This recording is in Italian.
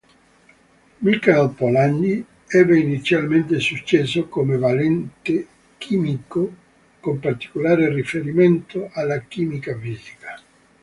Michael Polanyi ebbe inizialmente successo come valente chimico, con particolare riferimento alla chimica fisica.